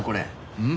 うん？